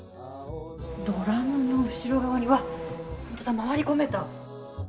ドラムの後ろ側にわっ、本当だ、回り込めた。